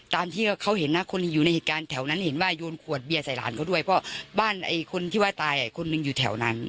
ตามที่เขาเห็นนะคนอยู่ในเหตุการณ์แถวนั้นเห็นว่าโยนขวดเบียร์ใส่หลานเขาด้วยเพราะบ้านไอ้คนที่ว่าตายคนหนึ่งอยู่แถวนั้น